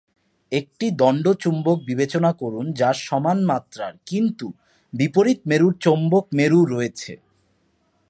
একটি দণ্ড চুম্বক বিবেচনা করুন যার সমান মাত্রার কিন্তু বিপরীত মেরুর চৌম্বক মেরু রয়েছে।